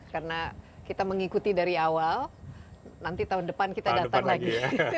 karena kita mengikuti dari awal nanti tahun depan kita datang lagi